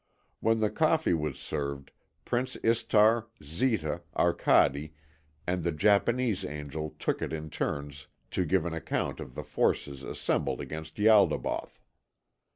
When the coffee was served, Prince Istar, Zita, Arcade, and the Japanese angel took it in turns to give an account of the forces assembled against Ialdabaoth.